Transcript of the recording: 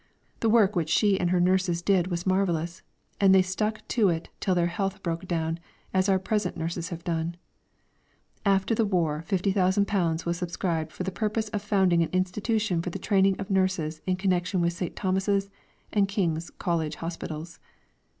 The work which she and her nurses did was marvellous, and they stuck to it till their health broke down, as our present nurses have done. After the war £50,000 was subscribed for the purpose of founding an institution for the training of nurses in connection with St. Thomas's and King's College Hospitals.